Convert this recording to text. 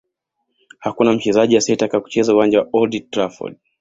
Hakuna mchezaji asiyetaka kucheza uwanja wa Old Trafford